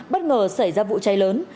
bất ngờ xảy ra vụ cháy lớn